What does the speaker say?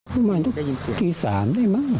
พี่มันต้องตี๓ได้มาก